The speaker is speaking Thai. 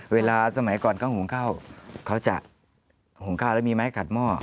สมัยก่อนเขาหุงข้าวเขาจะหุงข้าวแล้วมีไม้ขัดหม้อ